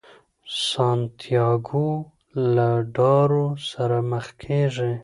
سانتیاګو له داړو سره مخ کیږي.